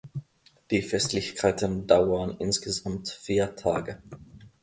Die Festlichkeiten dauern insgesamt vier Tage.